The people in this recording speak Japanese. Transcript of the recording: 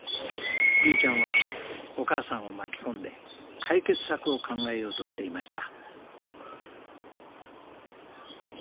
じいちゃんはお母さんを巻き込んで解決策を考えようとしていました。